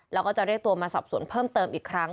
แล้วก็จะเรียกตัวมาสอบสวนเพิ่มเติมอีกครั้ง